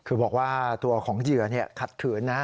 คือบอกว่าตัวของเหยื่อขัดขืนนะ